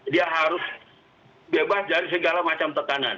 dia harus bebas dari segala macam tekanan